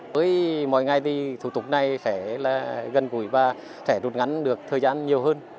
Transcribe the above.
với mọi ngày thì thủ tục này sẽ gần gũi và sẽ rút ngắn được thời gian nhiều hơn